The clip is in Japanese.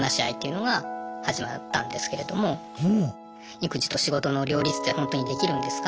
育児と仕事の両立ってほんとにできるんですか？